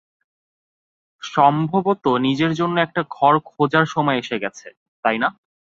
সম্ভবত নিজের জন্য একটা ঘর খোঁজার সময় এসে গেছে, তাই না?